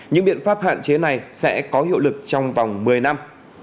những biện pháp hạn chế này sẽ có hiệu lực trong vòng một mươi năm